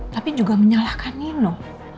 tapi juga menyalahkan nino